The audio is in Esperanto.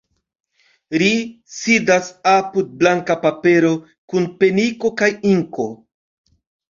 Ri sidas apud blanka papero, kun peniko kaj inko.